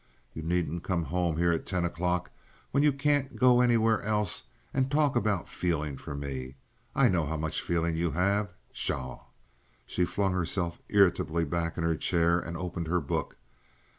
You needn't come home here at ten o'clock, when you can't go anywhere else, and talk about feeling for me. I know how much feeling you have. Pshaw!" She flung herself irritably back in her chair and opened her book.